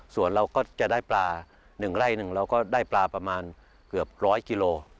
ส่วนเราก็จะได้ปลา๑ไร่หนึ่งเราก็ได้ปลาประมาณเกือบร้อยกิโล